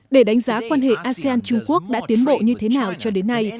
để đánh giá quan hệ asean trung quốc đã tiến bộ như thế nào cho đến nay